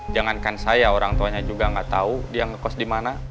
jangankan saya orang tuanya juga gak tau dia ngekos dimana